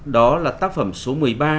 đó là tác phẩm số một mươi ba